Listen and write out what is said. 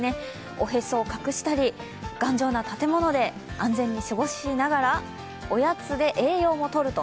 おへそを隠したり、頑丈な建物で、安全に過ごしながらおやつで栄養もとると。